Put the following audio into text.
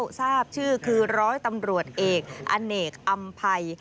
ท่านก็เข้าทราบชื่อคือร้อยตำรวจเอกอเนกอัมภัย